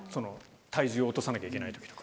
体重落とさなきゃいけない時とか。